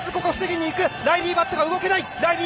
ライリー・バットが動けない。